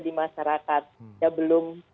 di masyarakat ya belum